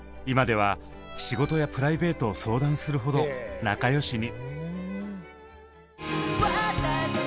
今では仕事やプライベートを相談するほど仲良しに。